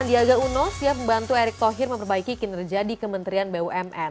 sandiaga uno siap membantu erick thohir memperbaiki kinerja di kementerian bumn